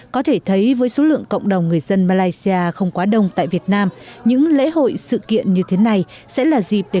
có thể thấy với số lượng cộng đồng người dân malaysia không quá đông tại việt nam những lễ hội sự kiện như thế này sẽ là dịp để